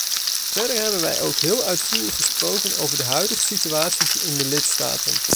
Verder hebben wij ook heel uitvoerig gesproken over de huidige situatie in de lidstaten.